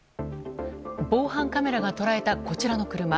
防犯カメラが捉えた、こちらの車。